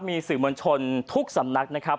มีสื่อมวลชนทุกสำนักนะครับ